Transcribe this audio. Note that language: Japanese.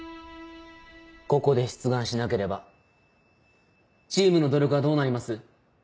ここで出願しなければチームの努力はどうなります。